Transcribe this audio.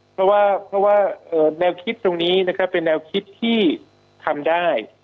เพราะว่าแนวคิดตรงนี้นะครับเป็นแนวคิดที่ทำได้